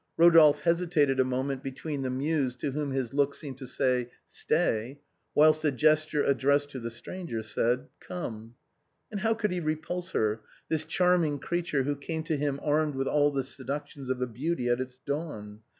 Rodolphe hesitated a moment between the Muse to whom his look seemed to say " Stay," whilst a gesture addressed to the stranger said, " Come." And how could he repulse her, this charming creature who came to him armed with all the seductions of a beauty at its dawn?